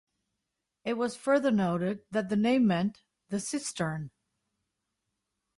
It was further noted that the name meant "The cistern".